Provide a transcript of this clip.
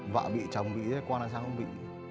vợ bị chồng bị con là sao không bị